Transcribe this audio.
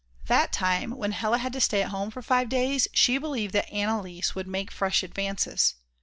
That time when Hella had to stay at home for five days she believed that Anneliese would make fresh advances.